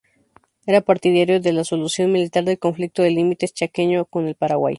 Era partidario de la solución militar del conflicto de límites chaqueño con el Paraguay.